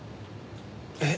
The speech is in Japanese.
えっ！